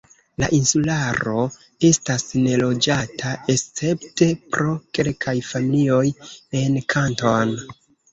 La insularo estas neloĝata escepte pro kelkaj familioj en Kanton.